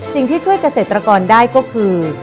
สิ่งที่ช่วยเกษตรกรได้ก็คือ